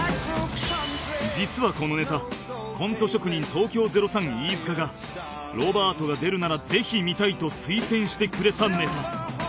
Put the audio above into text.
実はこのネタコント職人東京０３飯塚がロバートが出るならぜひ見たいと推薦してくれたネタ